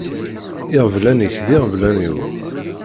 Iɣeblan-ik d iɣeblan-iw.